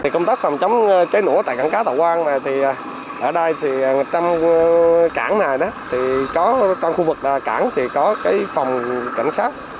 công tác phòng chống cháy nổ tại cảng cá thọ quang ở đây trong cảng này có phòng cảnh sát